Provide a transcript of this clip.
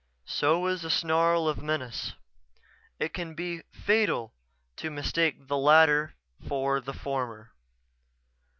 So is a snarl of menace. It can be fatal to mistake the latter for the former.